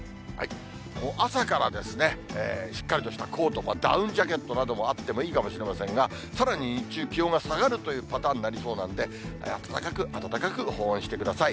もう朝からですね、しっかりとしたコートかダウンジャケットなどもあってもいいかもしれませんが、さらに日中、気温が上がるというパターンになりそうなんで、暖かく、暖かく保温してください。